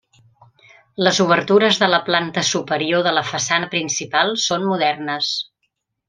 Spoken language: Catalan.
Les obertures de la planta superior de la façana principal són modernes.